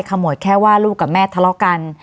ขมวดแค่ว่าลูกกับแม่ทะเลาะกัน